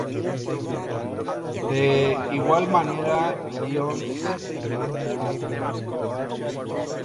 De igual manera, Lyons et al.